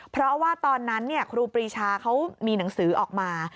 เพราะว่าตอนนั้นครูปรีชาเขามีหนังสือออกมา